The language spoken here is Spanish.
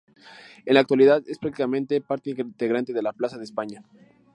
En la actualidad es prácticamente parte integrante de la plaza de España.